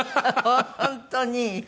本当に？